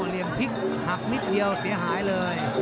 เหลี่ยมพลิกหักนิดเดียวเสียหายเลย